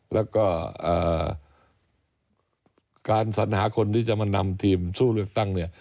แล้วก็การสัญหาคนที่จะมานำทีมสู้เลือกตั้งเนี่ย